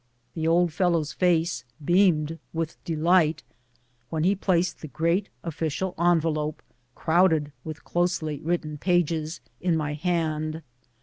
The old fellow's face beamed with delight when he placed the great official envelope, crowded with closely written pages, in my hand.